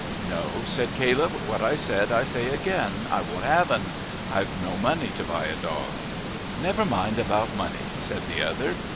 "No," said Caleb, "what I said I say again. I won't have 'n, I've no money to buy a dog." "Never mind about money," said the other.